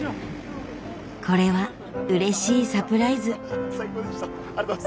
これはうれしいサプライズ。